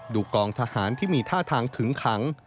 กองทหารที่มีท่าทางขึงขัง